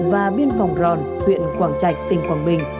và biên phòng ròn huyện quảng trạch tỉnh quảng bình